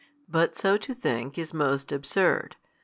But so to think, is most absurd.